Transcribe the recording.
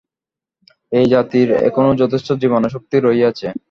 এই জাতির এখনও যথেষ্ট জীবনীশক্তি রহিয়াছে।